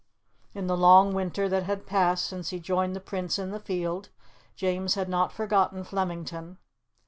In the long winter that had passed since he joined the Prince in the field, James had not forgotten Flemington.